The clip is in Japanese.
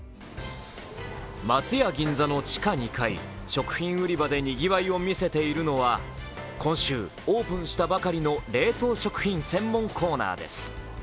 松屋銀座の地下２階、食品売り場で賑わいを見せているのは今週オープンしたばかりの冷凍食品専門コーナーです。